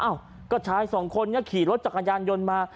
เอ้าก็ชายสองคนก็ขี่รถจักรยานยนต์มา